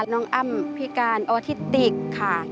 อ้ำพิการออทิติกค่ะ